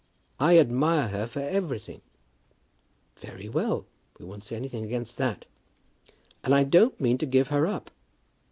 "I admire her for everything." "Very well. We don't say anything against that." "And I don't mean to give her up."